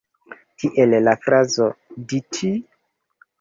Tiel, la frazo "Dis-tu?